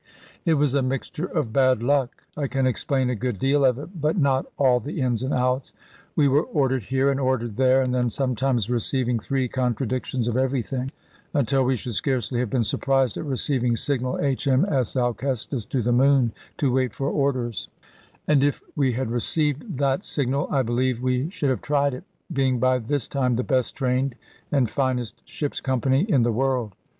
It was a mixture of bad luck. I can explain a good deal of it, but not all the ins and outs. We were ordered here, and ordered there, and then sometimes receiving three contradictions of everything. Until we should scarcely have been surprised at receiving signal, "H.M.S. Alcestis to the moon; to wait for orders." And if we had received that signal, I believe we should have tried it, being by this time the best trained and finest ship's company in the world.